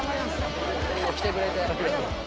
来てくれて。